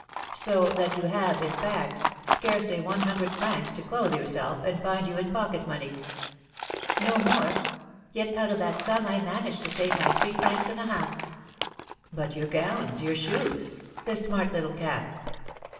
"So that you have, in fact, scarcely one hundred francs to clothe yourself, and find you in pocket money." "No more; yet out of that sum I managed to save my three francs and a half." "But your gowns, your shoes, this smart little cap?"